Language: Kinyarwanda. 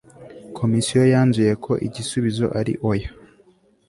Komisiyo yanzuye ko igisubizo ari oya